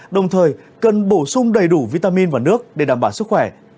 đồng thời cần bổ sung đầy đủ vitamin và nước để đảm bảo sức khỏe